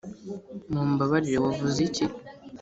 mumbabarire, wavuze iki?